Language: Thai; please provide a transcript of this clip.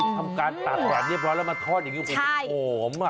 ทำการตัดกันเรียบร้อยแล้วมาทอดอย่างนี้โอ้โหม